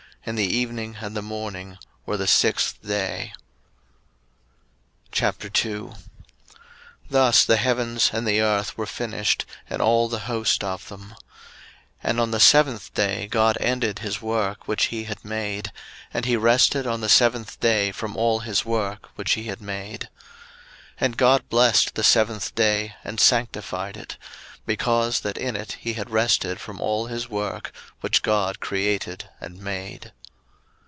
And the evening and the morning were the sixth day. 01:002:001 Thus the heavens and the earth were finished, and all the host of them. 01:002:002 And on the seventh day God ended his work which he had made; and he rested on the seventh day from all his work which he had made. 01:002:003 And God blessed the seventh day, and sanctified it: because that in it he had rested from all his work which God created and made.